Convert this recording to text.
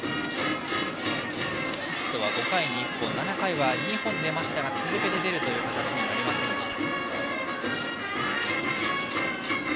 ヒットは５回に１本７回は２本出ましたが続けて出ませんでした。